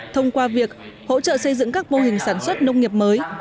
thông qua việc hỗ trợ xây dựng các mô hình sản xuất nông nghiệp mới